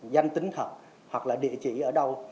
danh tính thật hoặc là địa chỉ ở đâu